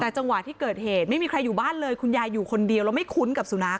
แต่จังหวะที่เกิดเหตุไม่มีใครอยู่บ้านเลยคุณยายอยู่คนเดียวแล้วไม่คุ้นกับสุนัข